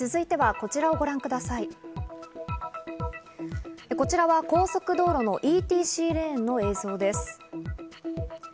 こちらは高速道路のＥＴＣレーンの映像です。